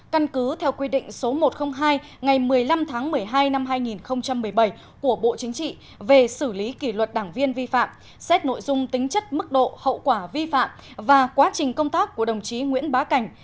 căn cứ theo quy định số một trăm linh hai ngày một mươi năm tháng một mươi hai năm hai nghìn một mươi bảy của bộ chính trị về xử lý kỷ luật đảng viên vi phạm xét nội dung tính chất mức độ hậu quả vi phạm và quá trình công tác của đồng chí nguyễn bá cảnh